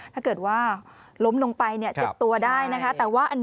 ถ้าเกิดว่าล้มลงไปเจ็บตัวได้นะคะแต่ว่าอันนี้